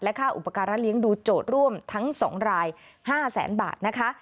และค่าอุปการณ์รัฐเลี้ยงดูโจทย์ร่วมทั้ง๒ราย๕๐๐๐๐๐บาท